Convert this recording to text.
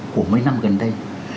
của mấy năm gần đây